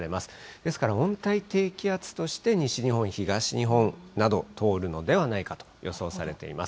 ですから温帯低気圧として西日本、東日本など通るのではないかと予想されています。